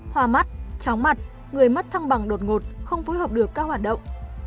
hoa mắt tróng mặt người mất thăng bằng đột ngột không phối hợp được các hoạt động